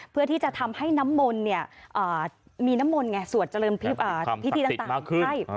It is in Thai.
เพื่อที่จะทำให้น้ำมนต์สรวจเจริญพิธีมากขึ้น